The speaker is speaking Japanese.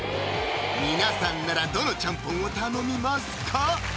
皆さんならどのちゃんぽんを頼みますか？